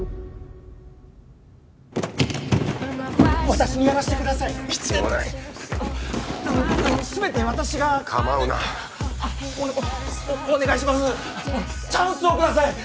私にやらせてください必要ないあのあのすべて私が構うなあっおっお願いしますチャンスをください！